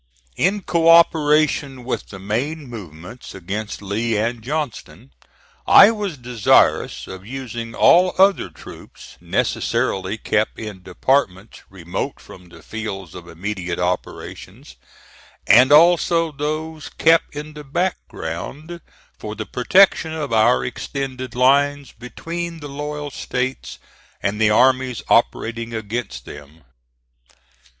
In co operation with the main movements against Lee and Johnston, I was desirous of using all other troops necessarily kept in departments remote from the fields of immediate operations, and also those kept in the background for the protection of our extended lines between the loyal States and the armies operating against them.